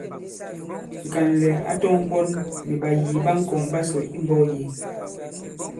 Ŋ̀kànlɛ̀ ǎ tɔ̄ŋ ɓɔ̌n nì ɓàyìì ɓa ŋ̀kɔ̀ŋ ɓasò imbɔ̄k yě.